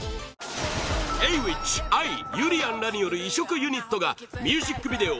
Ａｗｉｃｈ、ＡＩゆりやんらによる異色ユニットがミュージックビデオ